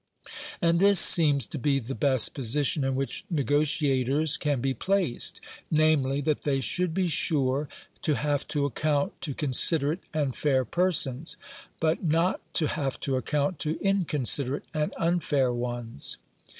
And this seems to be the best position in which negotiators can be placed, namely, that they should be sure to have to account to considerate and fair persons, but not to have to account to inconsiderate and unfair ones.